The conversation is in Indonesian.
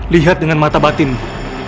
lihat dengan mata batinmu